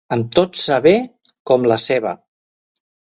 Amb tot s'avé, com la ceba.